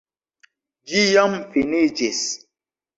Ĝi jam finiĝis.